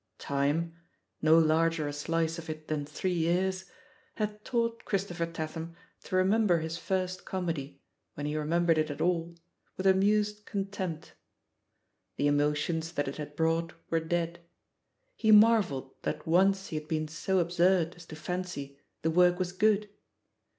Time — ^no larger a slice of it than three years — ^had taught Christopher Tatham to remember his first comedy, when he remembered it at aU, with amused contempt. The emotions that it had brought were dead. He marvelled that once he had been so absurd as to fancy the work was good.